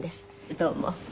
どうも。